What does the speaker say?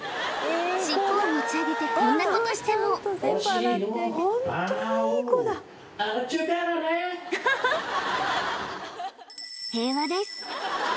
尻尾を持ち上げてこんなことしても平和です